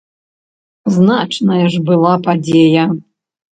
Значная ж была падзея!